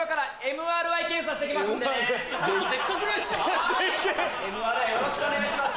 ＭＲＩよろしくお願いします。